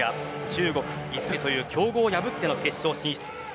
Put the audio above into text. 中国、イスラエルという強豪を破っての決勝進出。